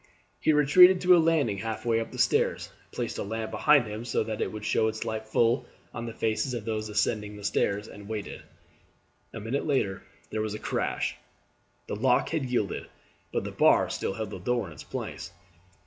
He retreated to a landing halfway up the stairs, placed a lamp behind him so that it would show its light full on the faces of those ascending the stairs, and waited. A minute later there was a crash; the lock had yielded, but the bar still held the door in its place.